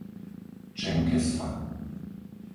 Čenkesfa